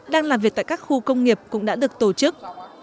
đang làm việc tại các khu công nghiệp cũng đã được tổ chức